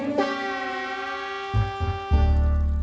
siapa sih mak